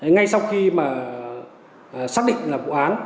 ngay sau khi xác định là vụ án